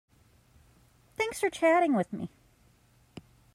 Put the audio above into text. Thanks for chatting with me.